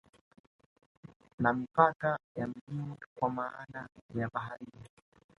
Na mipaka ya majini kwa maana ya baharini